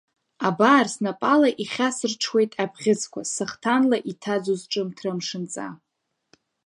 Абар, снапала ихьасырҽуеит абӷьыцқәа, сахҭанла иҭаӡу Сҿымҭра Амшынҵа…